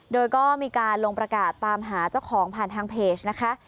โดยก็มีการลงประกาศตามหาเจ้าของผ่านทางเพจนะคะ